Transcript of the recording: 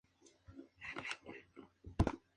Luego vendrían las Promociones.